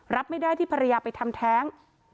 รับไม่ได้ที่ภรรยาไปทำแท้ง